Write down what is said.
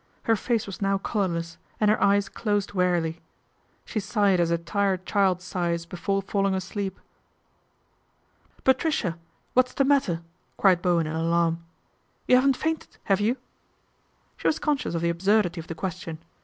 Her face was now colourless, and her eyes closed wearily. She sighed as a tired child sighs before falling asleep. THE GREATEST INDISCRETION 303 " Patricia ! what is the matter ?" cried Bowen In alarm. " You haven't fainted, have you ?" She was conscious of the absurdity of the ques tion.